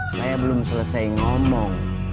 saya belum selesai ngomong